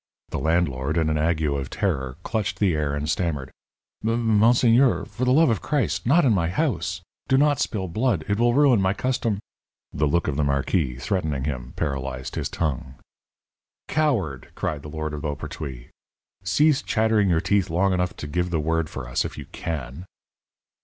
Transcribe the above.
The landlord, in an ague of terror, clutched the air and stammered: "M M Monseigneur, for the love of Christ! not in my house! do not spill blood it will ruin my custom " The look of the marquis, threatening him, paralyzed his tongue. "Coward," cried the lord of Beaupertuys, "cease chattering your teeth long enough to give the word for us, if you can."